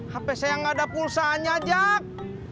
hape saya gak ada pulsanya jack